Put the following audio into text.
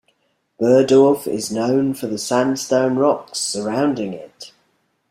Berdorf is known for the sandstone rocks surrounding it.